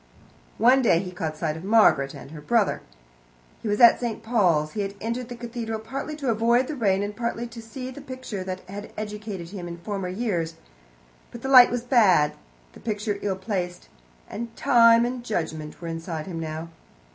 One day he caught sight of Margaret and her brother. He was in St. Paul's. He had entered the cathedral partly to avoid the rain and partly to see a picture that had educated him in former years. But the light was bad, the picture ill placed, and Time and Judgment were inside him now.